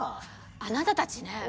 あなたたちねぇ。